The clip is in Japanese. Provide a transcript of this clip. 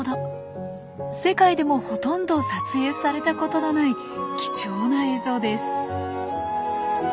世界でもほとんど撮影されたことのない貴重な映像です。